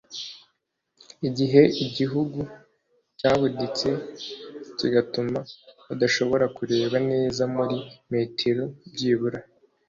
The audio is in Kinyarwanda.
igihe igihu cyabuditse kigatuma badashobora kureba neza muri metero byibura